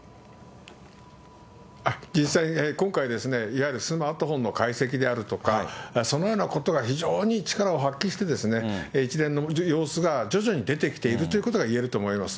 実際、今回ですね、いわゆるスマートフォンの解析であるとか、そのようなことが非常に力を発揮してですね、一連の様子が徐々に出てきているということが言えると思います。